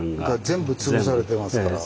全部潰されてますから。